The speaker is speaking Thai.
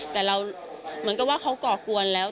แต่เหมือนก็ว่าเค้าก่อกวนแล้ว